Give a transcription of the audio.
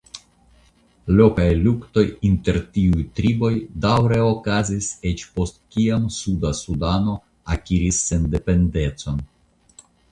Lokaj luktoj inter tiuj triboj daŭre okazis eĉ post kiam Suda Sudano akiris sendependecon.